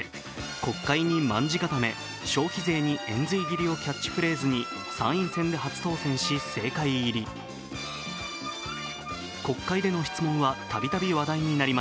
「国会に卍固め」「消費税に延髄切り」をキャッチフレーズに参院選で初当選し、政界入り。